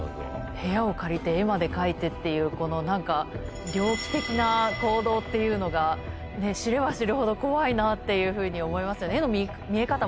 部屋を借りて絵まで描いてっていうこの何か。っていうのが知れば知るほど怖いなっていうふうに思いますよね。